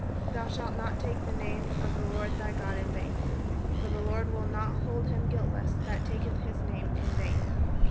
"Thou shalt not take the name of the Lord thy God in vain; for the Lord will not hold him guiltless that taketh his name in vain.